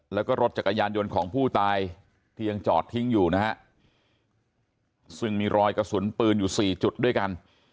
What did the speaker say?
แล้วก็รถจักรยานยนต์ของผู้ตายที่ยังจอดทิ้งอยู่นะฮะซึ่งมีรอยกระสุนปืนอยู่สี่จุดด้วยกัน